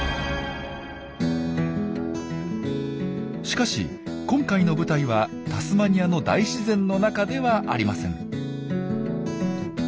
しかし今回の舞台はタスマニアの大自然の中ではありません。